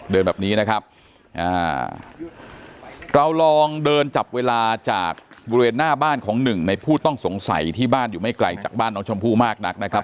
เดินแบบนี้นะครับเราลองเดินจับเวลาจากบริเวณหน้าบ้านของหนึ่งในผู้ต้องสงสัยที่บ้านอยู่ไม่ไกลจากบ้านน้องชมพู่มากนักนะครับ